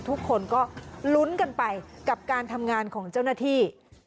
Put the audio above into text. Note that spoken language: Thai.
ทุกคนก็ลุ้นกันไปกับการทำงานของเจ้าหน้าที่